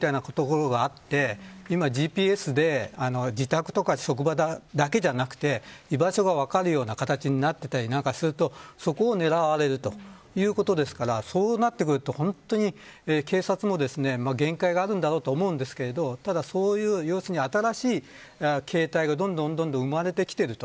ただ、いたちごっこのようなところがあって今、ＧＰＳで自宅とか職場だけじゃなく居場所が分かるような形になったりするとそこを狙われるということですからそうなってくると本当に、警察も限界があるんだろうと思いますがただ、そういう新しい形態がどんどん生まれてきていると。